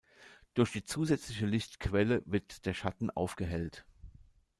Durch die zusätzliche Lichtquelle wird der Schatten aufgehellt.